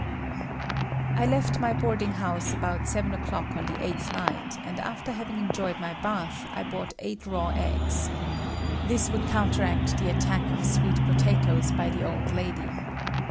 I left my boarding house about 7 o'clock on the eighth night and after having enjoyed my bath, I bought eight raw eggs. This would counteract the attack of sweet potatoes by the old lady.